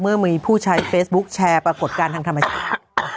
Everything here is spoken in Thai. เมื่อมีผู้ใช้เฟซบุ๊คแชร์ปรากฏการณ์ทางธรรมชาติ